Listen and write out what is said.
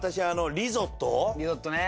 リゾットね。